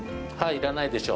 いらないでしょ